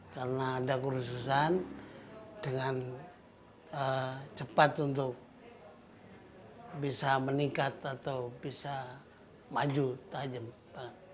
karena ada kursusan dengan cepat untuk bisa meningkat atau bisa maju tajam banget